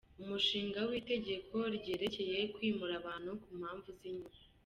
Umushinga w‟Itegeko ryerekeye kwimura abantu ku mpamvu z‟inyungu